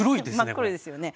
真っ黒ですよね。